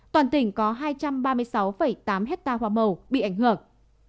toàn tỉnh có hai trăm ba mươi sáu tám hectare hoa màu bị ảnh hưởng